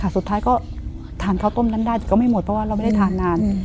สุดท้ายก็ทานข้าวต้มนั้นได้ก็ไม่หมดเพราะว่าเราไม่ได้ทานนาน